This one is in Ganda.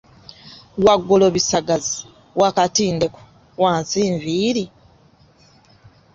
"Waggulu bisagazi, wakati ndeku, wansi nviiri?"